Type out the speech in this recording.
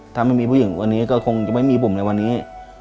ถ้าไม่มีผู้หญิงคนนี้ก็คงจะไม่มีผมในวันนี้